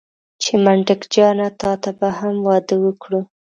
چې منډک جانه تاته به هم واده وکړو.